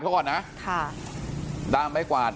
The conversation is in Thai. กับเขาก่อนนะ